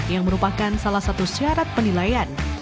yang merupakan salah satu syarat penilaian